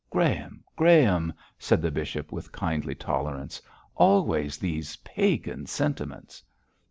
'Graham, Graham,' said the bishop, with kindly tolerance, 'always these Pagan sentiments.'